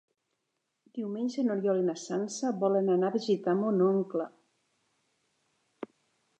Diumenge n'Oriol i na Sança volen anar a visitar mon oncle.